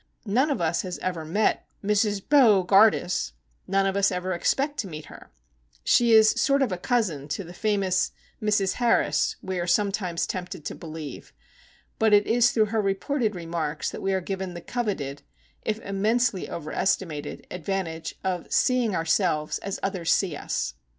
None of us have ever met Mrs. Bo gardus, none of us ever expect to meet her,—she is a sort of cousin to the famous "Mrs. Harris," we are sometimes tempted to believe,—but it is through her reported remarks that we are given the coveted, if immensely overestimated, advantage of "seeing ourselves as others see us."